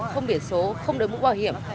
không biển số không đối mũ bảo hiểm